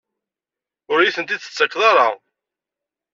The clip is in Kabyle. Ur iyi-tent-id-tettakeḍ ara?